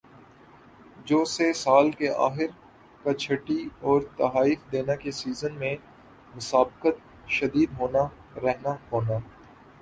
جو سے سال کا آخر کا چھٹی اور تحائف دینا کا سیزن میں مسابقت شدید ہونا رہنا ہونا